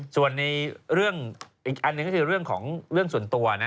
ส่วนในเรื่องอีกอันหนึ่งก็คือเรื่องของเรื่องส่วนตัวนะ